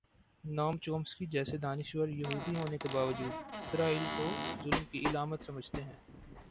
نوم چومسکی جیسے دانش وریہودی ہونے کے باوجود اسرائیل کو ظلم کی علامت سمجھتے ہیں۔